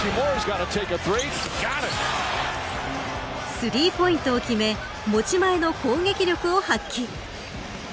スリーポイントを決め持ち前の攻撃力を発揮。